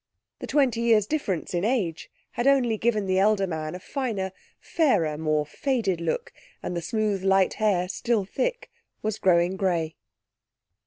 The twenty years' difference in age had only given the elder man a finer, fairer, more faded look, and the smooth light hair, still thick, was growing grey.